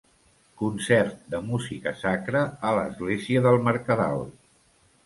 Concert de música sacra a l'església del Mercadal.